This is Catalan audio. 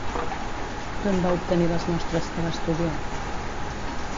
D'on va obtenir les mostres que va estudiar?